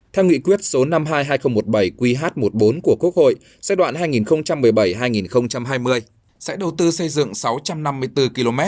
theo nghị quyết số năm mươi hai nghìn một mươi bảy qh một mươi bốn của quốc hội giai đoạn hai nghìn một mươi bảy hai nghìn hai mươi sẽ đầu tư xây dựng sáu trăm năm mươi bốn km